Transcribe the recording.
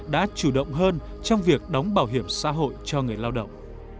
đã chủ động hơn trong việc đóng bảo hiểm xã hội cho người lao động